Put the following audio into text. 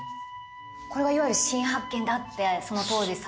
これがいわゆる新発見だってその当時騒がれた。